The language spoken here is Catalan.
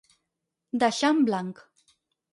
Deixar en blanc.